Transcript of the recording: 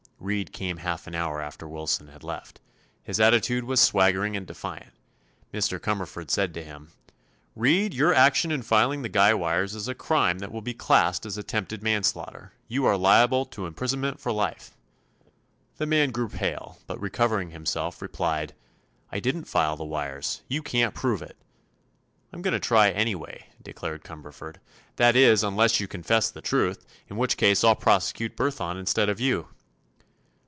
Reed came a half hour after Wilson had left. His attitude was swaggering and defiant. Mr. Cumberford said to him: "Reed, your action in filing the guy wires is a crime that will be classed as attempted manslaughter. You are liable to imprisonment for life." The man grew pale, but recovering himself replied: "I didn't file the wires. You can't prove it." "I'm going to try, anyway," declared Cumberford. "That is, unless you confess the truth, in which case I'll prosecute Burthon instead of you."